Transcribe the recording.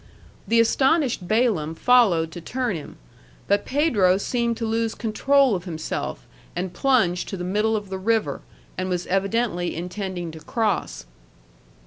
The astonished Balaam followed to turn him; but Pedro seemed to lose control of himself, and plunged to the middle of the river, and was evidently intending to cross.